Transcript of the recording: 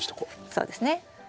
そうですね。